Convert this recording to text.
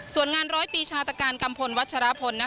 ส่วนงานร้อยปีชาตการกัมพลวัชรพล